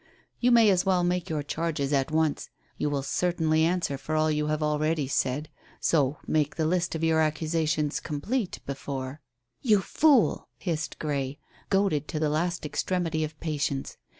You may as well make your charges at once. You will certainly answer for all you have already said, so make the list of your accusations complete before " "You fool!" hissed Grey, goaded to the last extremity of patience.